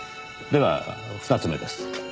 では２つ目です。